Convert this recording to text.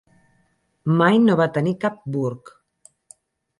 Mai no va tenir cap burg.